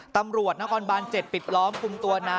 ตำรวจนครบัญ๗ปิดล้อม